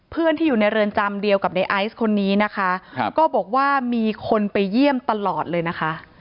เพื่อนที่อยู่ในเรือนจำเดียวกับในไอซ์คนนี้นะคะก็บอกว่ามีคนไปเยี่ยมตลอดเลยนะคะ